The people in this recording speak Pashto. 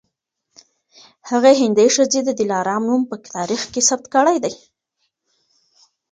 هغې هندۍ ښځې د دلارام نوم په تاریخ کي ثبت کړی دی